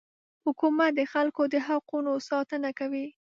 حکومت د خلکو د حقونو ساتنه کوي.